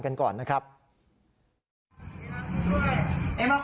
เป็นอย่ามากางเกงฟองไหม